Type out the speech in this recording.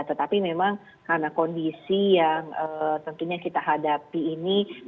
tetapi memang karena kondisi yang tentunya kita hadapi ini